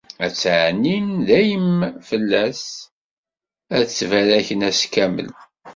Ad ttɛennin dayem fell-as, ad t-ttbaraken ass kamel.